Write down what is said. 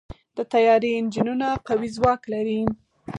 د طیارې انجنونه قوي ځواک لري.